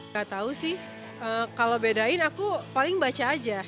gak tau sih kalau bedain aku paling baca aja